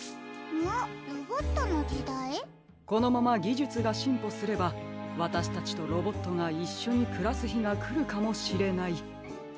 「このままぎじゅつがしんぽすればわたしたちとロボットがいっしょにくらすひがくるかもしれない」だそうです。